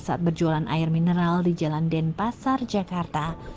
saat berjualan air mineral di jalan denpasar jakarta